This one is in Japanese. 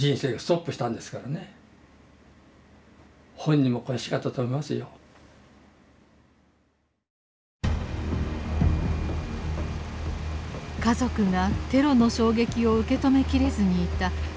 家族がテロの衝撃を受け止めきれずにいた事件の３日後。